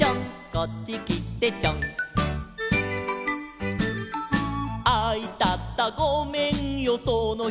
「こっちきてちょん」「あいたたごめんよそのひょうし」